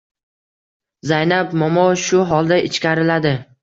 Zaynab momo shu holda ichkariladi.